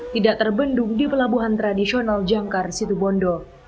tidak terbendung di pelabuhan tradisional jangkar situ bondo